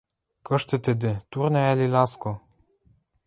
«Кышты тӹдӹ? Турна ӓли ласко?